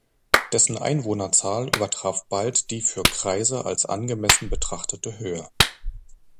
Dessen Einwohnerzahl übertraf bald die für Kreise als angemessen betrachtete Höhe.